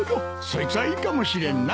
そいつはいいかもしれんな。